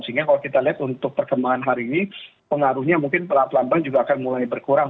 sehingga kalau kita lihat untuk perkembangan hari ini pengaruhnya mungkin pelan pelan pelan juga akan mulai berkurang